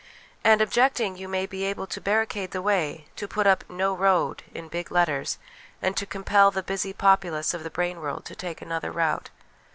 and objecting, you may be able to barricade the way, to put up ' No Road ' in big letters, and to compel the busy populace of the brain world to take another route.